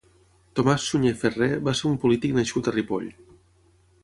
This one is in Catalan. Tomàs Suñer Ferrer va ser un polític nascut a Ripoll.